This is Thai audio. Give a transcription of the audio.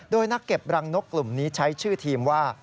โดยนักเก็บรังนกกลุ่มนี้ใช้ชื่อทีมว่า